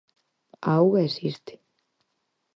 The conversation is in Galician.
A auga existe.